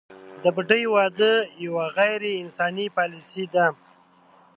د بدۍ واده یوه غیر انساني پالیسي ده.